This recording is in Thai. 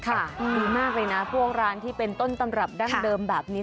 ดีมากเลยนะพวกร้านที่เป็นต้นตำรับดั้งเดิมแบบนี้